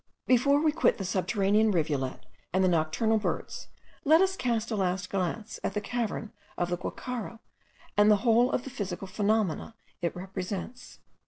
Before we quit the subterranean rivulet and the nocturnal birds, let us cast a last glance at the cavern of the Guacharo, and the whole of the physical phenomena it presents.